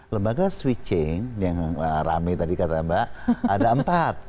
lembaga switching yang rame tadi kata mbak ada empat